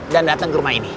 dan datang ke rumah ini